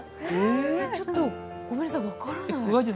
ちょっとごめんなさい、分からない。